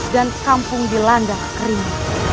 dan kampung dilandang kering